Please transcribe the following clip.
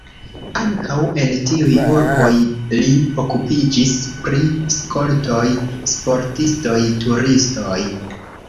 Ankaŭ en tiuj urboj li okupiĝis pri skoltoj, sportistoj, turistoj.